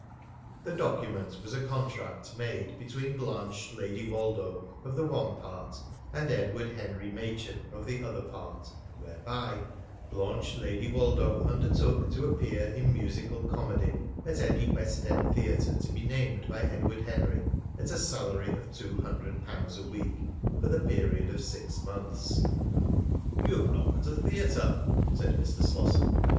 The document was a contract made between Blanche Lady Woldo of the one part and Edward Henry Machin of the other part, whereby Blanche Lady Woldo undertook to appear in musical comedy at any West End theatre to be named by Edward Henry, at a salary of two hundred pounds a week, for the period of six months. "You've not got a theatre," said Mr. Slosson.